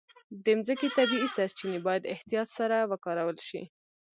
د مځکې طبیعي سرچینې باید احتیاط سره وکارول شي.